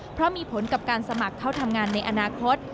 เพราะมีผลกับการสมัครเข้าทำงานในอนาคต